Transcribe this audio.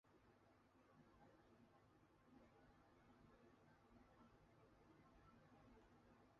过去为福冈藩与唐津藩之间的唐津街道的宿场町而开始发展。